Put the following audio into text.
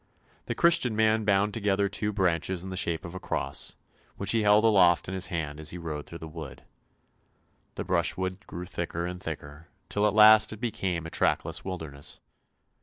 The Christian man bound together two branches in the shape of a cross, which he held aloft in his hand as he rode through the wood. The brushwood grew thicker and thicker, till at last it became a trackless wilderness.